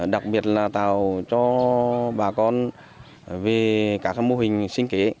đặc biệt là tạo cho bà con về các mô hình sinh kế